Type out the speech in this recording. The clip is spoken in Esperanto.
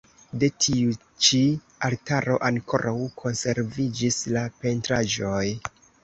De tiu ĉi altaro ankoraŭ konserviĝis la pentraĵoj.